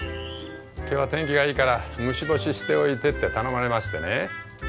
今日は天気がいいから虫干しておいてって頼まれましてね。